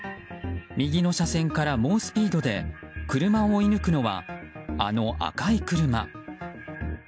右の車線から猛スピードで車を追い抜くのはあの、赤い車。